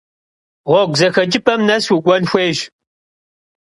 Ğuegu zexeç'ıp'em nes vuk'uen xuêyş.